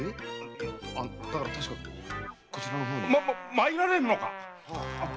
参られるのか。